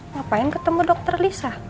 ngapain ketemu dokter lisa